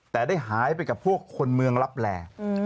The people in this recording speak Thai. แต่ได้หายไปกับพวกคนเมืองรับแหล่